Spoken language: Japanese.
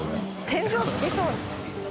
天井つきそう。